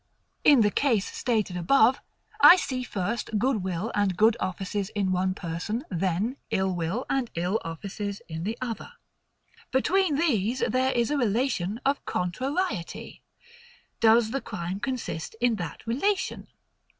In the case stated above, I see first good will and good offices in one person; then ill will and ill offices in the other. Between these, there is a relation of CONTRARIETY. Does the crime consist in that relation?